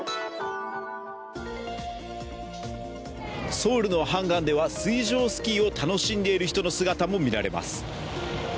ソウルのハンガンでは水上スキー楽しんでいる人の姿も見られます。